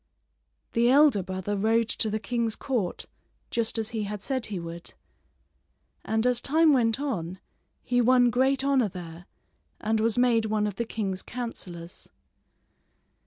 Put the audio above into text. The elder brother rode to the king's court just as he had said he would; and as time went on he won great honor there and was made one of the king's counselors.